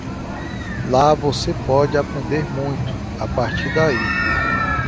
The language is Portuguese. Lá você pode aprender muito a partir daí.